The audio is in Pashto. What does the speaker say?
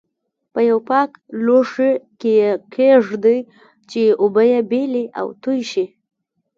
په یوه پاک لوښي کې یې کېږدئ چې اوبه یې بېلې او توی شي.